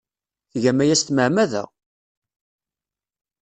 Tgam aya s tmeɛmada!